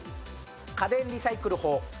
家電リサイクル法。